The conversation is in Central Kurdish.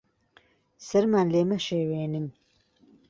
سەرمان لێ مەشێوێنن.